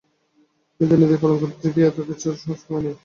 কিন্তু এ নির্দেশ পালন করতে গিয়ে অত কিছু দেখার আর সময় নেই।